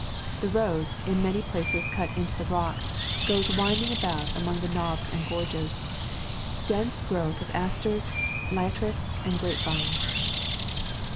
The road, in many places cut into the rock, goes winding about among the knobs and gorges. Dense growth of asters, liatris,1 and grapevines.